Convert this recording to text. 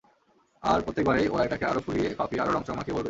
আর প্রত্যেকবারেই ওরা এটাকে আরও ফুলিয়ে ফাঁপিয়ে আরও রঙচঙ মাখিয়ে বলবে।